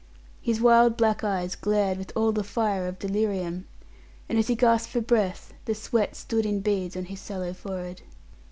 His wild black eyes glared with all the fire of delirium, and as he gasped for breath, the sweat stood in beads on his sallow forehead.